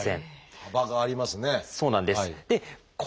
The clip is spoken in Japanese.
幅がありますね。